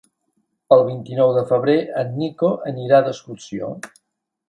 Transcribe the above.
El vint-i-nou de febrer en Nico anirà d'excursió.